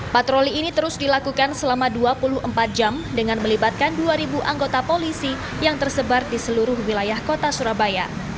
patroli ini terus dilakukan selama dua puluh empat jam dengan melibatkan dua anggota polisi yang tersebar di seluruh wilayah kota surabaya